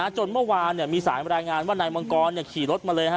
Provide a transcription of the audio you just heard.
จนเมื่อวานมีสายบรรยายงานว่านายมังกรขี่รถมาเลย